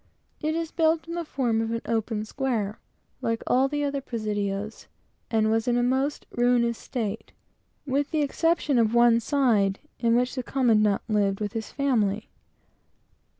It is built in the form of an open square, like all the other presidios, and was in a most ruinous state, with the exception of one side, in which the commandant lived, with his family.